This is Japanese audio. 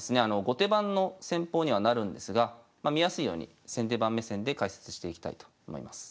後手番の戦法にはなるんですが見やすいように先手番目線で解説していきたいと思います。